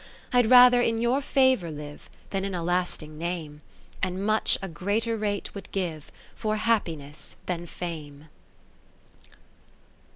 Fd rather in your favour live Than in a lasting name. And much a greater rate would give For Happiness than Fame.